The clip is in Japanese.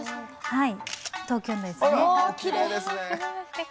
はい。